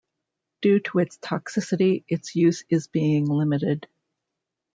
Due to its toxicity, its use is being limited.